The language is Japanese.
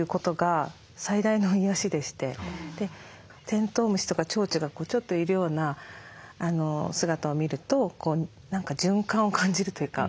テントウムシとかチョウチョがちょっといるような姿を見ると何か循環を感じるというか。